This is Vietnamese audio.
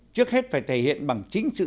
trước hết phải thể hiện bằng chính sự